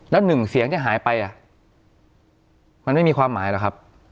แล้วหนึ่งเสียงที่หายไปมันไม่มีความหมายหรอกครับ